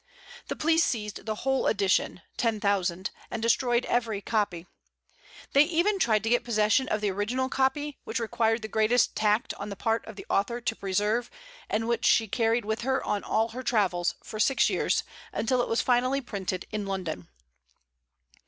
The police seized the whole edition ten thousand and destroyed every copy. They even tried to get possession of the original copy, which required the greatest tact on the part of the author to preserve, and which she carried with her on all her travels, for six years, until it was finally printed in London.